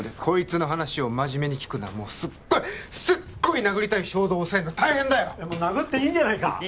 こいつの話を真面目に聞くなもうすっごいすっごい殴りたい衝動を抑えるの大変だよもう殴っていいんじゃないか？